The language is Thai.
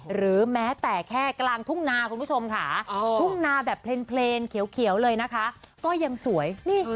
หรือแม้แต่แค่กลางทุ่งนาคุณผู้ชมค่ะทุ่งนาแบบเลนเขียวเลยนะคะก็ยังสวย